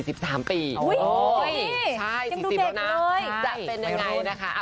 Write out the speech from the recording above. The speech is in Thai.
อุ้ยเฮ้ยยังดูเด็กเลยจะเป็นยังไงนะคะ